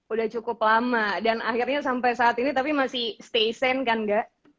udah cukup lama dan akhirnya sampai saat ini tapi masih stay sand kan gak